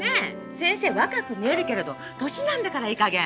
先生若く見えるけれど年なんだからいいかげん。